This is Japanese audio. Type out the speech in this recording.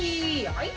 はい。